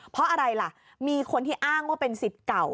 เพราะอะไรล่ะมีคนที่อ้างว่าเป็นสิทธิ์เก่า